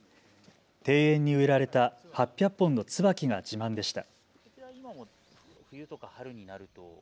庭園に植えられた８００本のつばきが自慢でした。